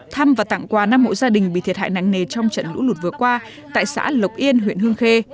thăm và tặng quà năm hộ gia đình bị thiệt hại nặng nề trong trận lũ lụt vừa qua tại xã lộc yên huyện hương khê